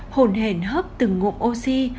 hồn hền hấp từng ngộm oxy